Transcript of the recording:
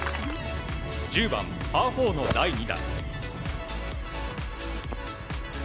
１０番、パー４の第２打。